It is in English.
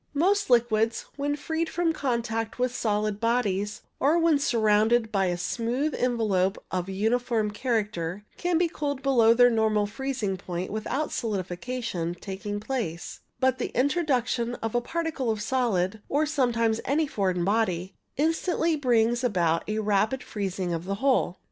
Most liquids, when freed from contact with solid bodies, or when surrounded by a smooth envelope of uniform character, can be cooled below their CLOUD PARTICLES 61 normal freezing point without solidification taking place; but the introduction of a particle of the solid, or sometimes of any foreign body, instantly brings about a rapid freezing of the whole.